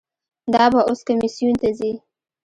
دا به اوس کمیسیون ته ځي.